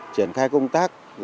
triển khai công tác